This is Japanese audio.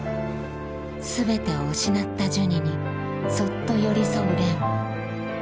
全てを失ったジュニにそっと寄り添う蓮。